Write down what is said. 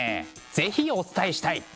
是非お伝えしたい！